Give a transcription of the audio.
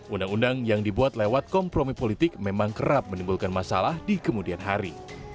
undang undang yang dibuat lewat kompromi politik memang kerap menimbulkan masalah di kemudian hari